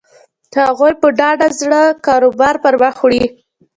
هغوی په ډاډه زړه کاروبار پر مخ وړي.